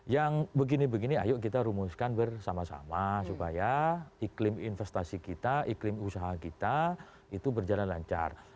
yang begini begini ayo kita rumuskan bersama sama supaya iklim investasi kita iklim usaha kita itu berjalan lancar